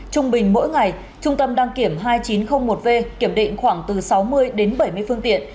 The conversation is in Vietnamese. trung bình mỗi ngày trung tâm đăng kiểm hai nghìn chín trăm linh một v kiểm định khoảng từ sáu mươi đến bảy mươi phương tiện